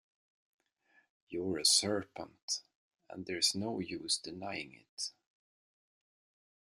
You’re a serpent; and there’s no use denying it.